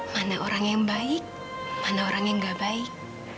mana orang yang baik mana orang yang gak baik